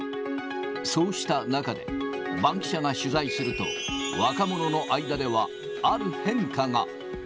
そうした中で、バンキシャが取材すると、若者の間ではある変化が。